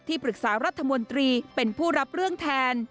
ปรึกษารัฐมนตรีเป็นผู้รับเรื่องแทน